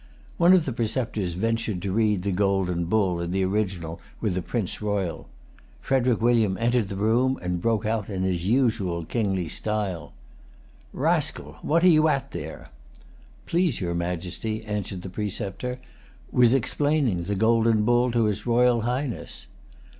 One of the preceptors ventured to read the Golden Bull in the original with the Prince Royal. Frederic William entered the room, and broke out in his usual kingly style:— "Rascal, what are you at there?" "Please your Majesty," answered the preceptor, "—— was explaining the Golden Bull to his Royal Highness."